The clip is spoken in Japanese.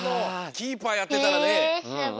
キーパーやってたらね。